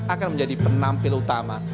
akan menjadi penampil utama